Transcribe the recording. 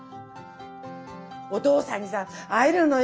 お父さんにさ会えるのよ。